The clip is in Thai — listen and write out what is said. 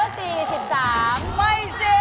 ถูกกว่าถูกกว่าถูกกว่า